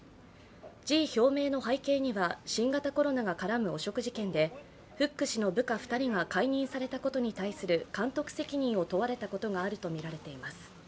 辞意表明の背景には、新型コロナが絡む汚職事件でフック氏の部下２人が解任されたことに対する監督責任を問われたことがあるとみられています。